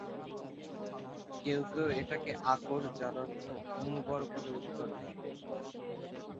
কেউ কেউ এটিকে আকর-যার অর্থ অনুর্বর বলে উত্তর দেন।